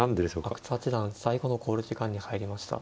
阿久津八段最後の考慮時間に入りました。